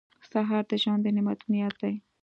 سهار د ژوند د نعمتونو یاد دی.